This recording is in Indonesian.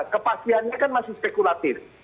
kepatiannya kan masih spekulatif